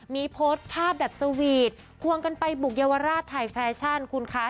มีโพสต์ภาพแบบสวีทควงกันไปบุกเยาวราชถ่ายแฟชั่นคุณคะ